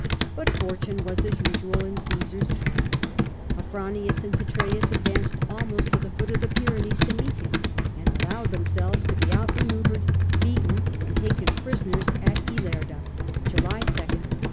But fortune was, as usual, in Cmsar's camp. Afranius and Petreius advanced almost to the foot of the Pyrenees to meet him, and allowed themselves to be out manoevured, beaten, and taken prisoners at Ilerda (July 2, 49).